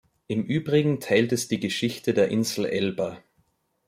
Im Übrigen teilt es die Geschichte der Insel Elba.